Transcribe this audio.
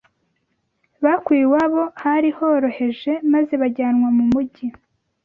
bakuwe iwabo hari horoheje maze bajyanwa mu mujyi